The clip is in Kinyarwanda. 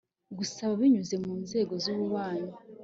gusaba binyuze mu nzego z ububanyi